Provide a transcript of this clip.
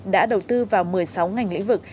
đã đầu tư vào một mươi sáu ngành lĩnh vực